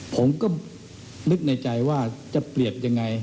ผมก็นึกในใจว่าจะเปรียบยังไง